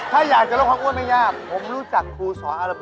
ถ้าอยากจะเรียกว่าอ้วนไม่ยากผมรู้จักครูสอนอารอบิต